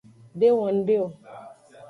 De wo ngde o.